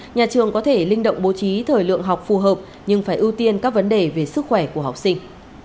nhà trường có thể linh động bố trí thời lượng học phù hợp nhưng phải ưu tiên các vấn đề về sức khỏe của học sinh